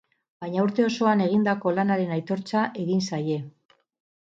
Baina urte osoan egindako lanaren aitortza egin zaie.